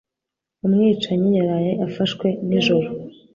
Umwicanyi yaraye afashwe nijoro